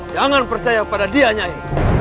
jangan percaya pada dia nyai